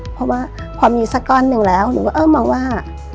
เพราะว่าความอยู่สักก้อนหนึ่งแล้วผมก็เอ้อมองว่า